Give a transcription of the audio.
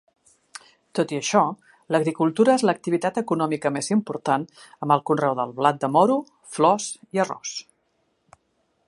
Tot i això, l'agricultura és l'activitat econòmica més important, amb el conreu de blat de moro, flors i arròs.